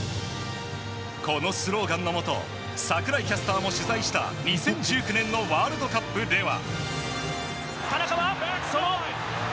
このスローガンのもと櫻井キャスターも取材した２０１９年のワールドカップでは。